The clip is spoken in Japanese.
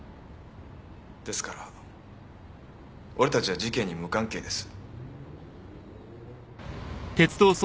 ですから俺たちは事件に無関係です。